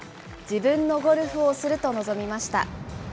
自分のゴルフをすると臨みました。